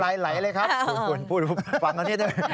ทำหลายเลยครับฟังหน่อยที่นี่